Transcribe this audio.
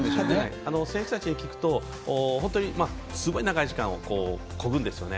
選手たちに聞くとすごい長い時間をこぐんですよね。